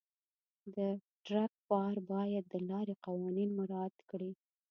د ټرک بار باید د لارې قوانین مراعت کړي.